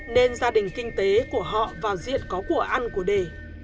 nên gia đình kinh tế của họ vào diện có của ăn của đề